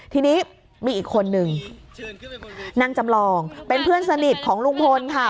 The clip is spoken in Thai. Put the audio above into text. ทีนี้มีอีกคนนึงนางจำลองเป็นเพื่อนสนิทของลุงพลค่ะ